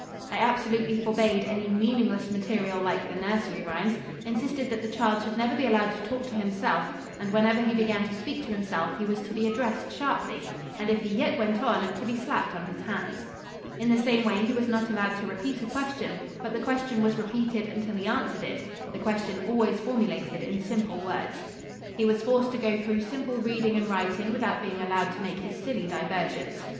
I absolutely forbade any meaningless material like the nursery rhymes, insisted that the child should never be allowed to talk to himself, and whenever he began to speak to himself he was to be addressed sharply, and if he yet went on, to be slapped on his hands. In the same way he was not allowed to repeat a question, but the question was repeated until he answered it, the question always formulated in simple words. He was forced to go through simple reading and writing without being allowed to make his silly diversions.